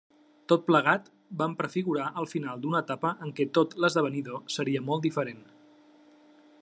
Tot plegat, van prefigurar el final d'una etapa en què tot l'esdevenidor seria molt diferent.